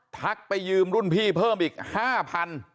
ทักไปยืมรุ่นพี่เพิ่มอีกห้าพัน